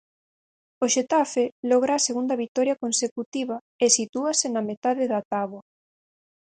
O Xetafe logra a segunda vitoria consecutiva e sitúase na metade da táboa.